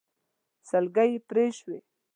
سلګۍ يې شوې.